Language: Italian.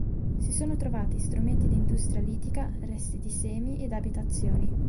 Si sono trovati strumenti di Industria litica, resti di semi ed abitazioni.